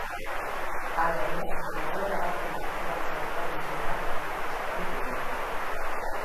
Hala ere, egoera batere motibatzailea ez dela ondorioztatu dute.